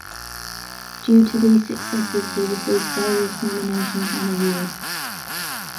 Due to these successes he received various nominations and awards.